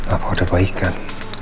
apa ada baikan